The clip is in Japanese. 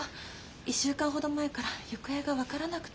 １週間ほど前から行方が分からなくて。